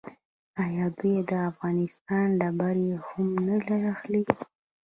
آیا دوی د افغانستان ډبرې هم نه اخلي؟